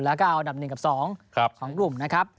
แล้วก็เอาอันดับ๑กับ๒ของกลุ่มนะครับ